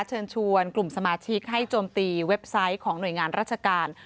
เชิญชวนกลุ่มสมาชิกให้โจมตีเว็บไซต์ของหน่วยงานราชการ